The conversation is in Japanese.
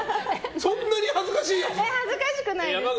そんなに恥ずかしいですか？